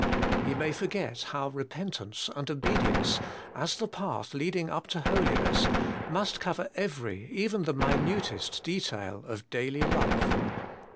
He may forget how repentance and obedience, as the path leading up to holiness, must cover every, even the minutest detail of daily life.